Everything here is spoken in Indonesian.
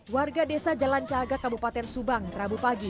warga desa jalan cahaga kabupaten subang rabu pagi